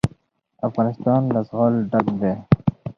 افغانستان له زغال ډک دی.